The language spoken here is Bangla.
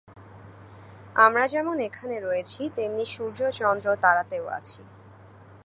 আমরা যেমন এখানে রয়েছি, তেমনি সূর্য, চন্দ্র, তারাতেও আছি।